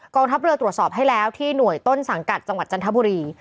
ทัพเรือตรวจสอบให้แล้วที่หน่วยต้นสังกัดจังหวัดจันทบุรี